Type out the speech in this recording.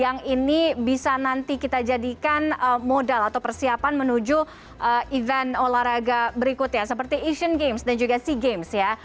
yang ini bisa nanti kita jadikan modal atau persiapan menuju event olahraga berikutnya seperti asian games dan juga sea games ya